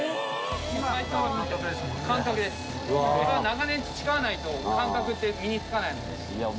長年培わないと感覚って身に付かないので。